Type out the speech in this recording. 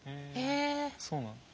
そうなんだ。